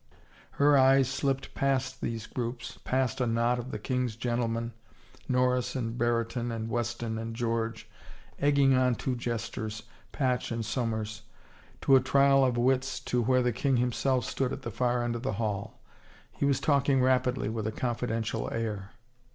Her eyes slipped past these groups, past a knot of the king's gentlemen, Norris and Brereton and Weston and George, egging on two jesters, Patch and Somers, to a trial of wits, to where the king him self stood at the far end of the hall. He was talking rapidly with a confidential air.